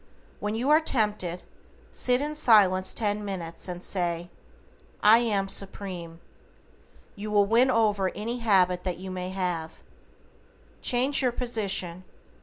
When you are tempted, SIT IN SILENCE TEN MINUTES AND SAY, "I AM SUPREME." You will win over any habit that you may have. Change your position.